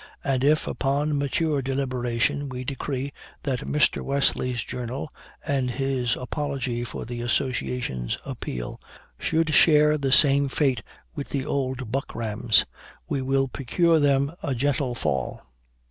And if, upon mature deliberation we decree that Mr. Wesley's 'Journal,' and his apology for the Association's 'Appeal,' should share the same fate with the old buckrams, we will procure them a gentle fall.